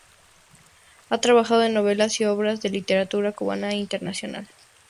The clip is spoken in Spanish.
Ha trabajado en novelas y obras de la literatura cubana e internacional.